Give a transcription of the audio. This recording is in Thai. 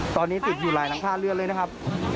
ตอนนี้ติดอยู่หลายหลังคาเรือนเลยนะครับ